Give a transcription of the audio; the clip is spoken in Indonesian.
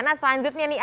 nah selanjutnya nih